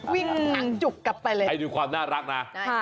หนังจุกกลับไปเลยให้ดูความน่ารักนะ